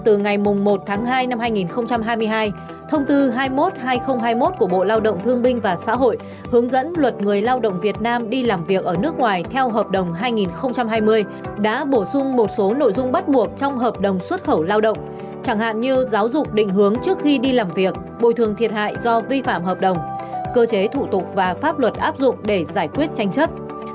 từ ngày một tháng hai năm hai nghìn hai mươi hai thông tư hai mươi một hai nghìn hai mươi một của bộ lao động thương minh và xã hội hướng dẫn luật người lao động việt nam đi làm việc ở nước ngoài theo hợp đồng hai nghìn hai mươi đã bổ sung một số nội dung bắt buộc trong hợp đồng xuất khẩu lao động chẳng hạn như giáo dục định hướng trước khi đi làm việc bồi thường thiệt hại do vi phạm hợp đồng cơ chế thụ tụ và pháp luật áp dụng để giải quyết tranh chất